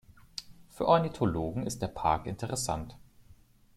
Für Ornithologen ist der Park interessant.